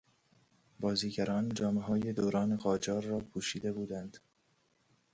بازیگران جامههای دوران قاجار را پوشیده بودند.